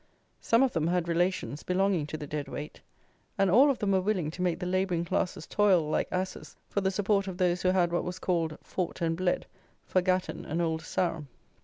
Some of them had relations belonging to the Dead Weight, and all of them were willing to make the labouring classes toil like asses for the support of those who had what was called "fought and bled" for Gatton and Old Sarum.